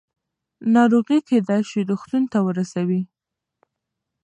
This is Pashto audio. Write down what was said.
ناروغي کېدای شي روغتون ته ورسوي.